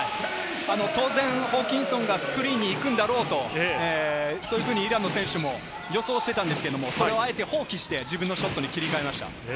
当然、ホーキンソンがスクリーンに行くんだろうと、そういうふうにイランの選手も予想していたんですけど、あえて放棄して、自分のショットに切り替えました。